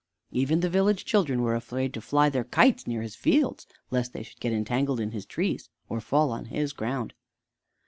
Even the village children were afraid to fly their kites near his fields, lest they should get entangled in his trees or fall on his ground.